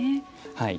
はい。